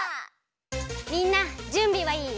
みんなじゅんびはいい？